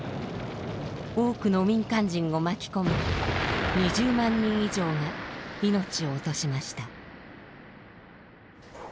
多くの民間人を巻き込み２０万人以上が命を落としました。